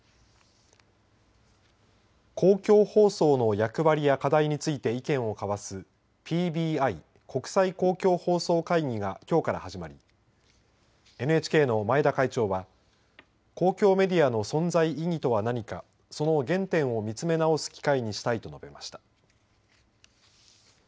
公共放送の役割や課題について意見を交わすＰＢＩ、国際公共放送会議がきょうから始まりＮＨＫの前田会長は公共メディアの存在意義とは何かその原点を見つめ直す機会にしたいと述べました。